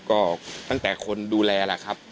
ก็ตั้งแต่คนดูแลล่ะครับ